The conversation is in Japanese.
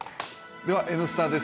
では「Ｎスタ」です。